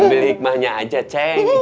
ambil hikmahnya aja cing